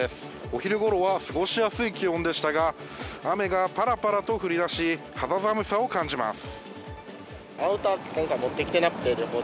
お昼ごろは過ごしやすい気温でしたが雨がパラパラと降りだし、肌寒さを感じます。